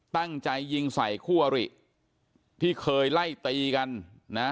ตั้งใจยิงใส่คู่อริที่เคยไล่ตีกันนะ